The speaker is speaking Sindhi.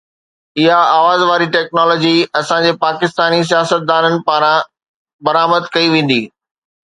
اها آواز واري ٽيڪنالاجي اسان جي پاڪستاني سياستدانن پاران برآمد ڪئي ويندي